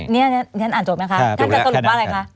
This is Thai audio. นี่อ่านจบไหมคะ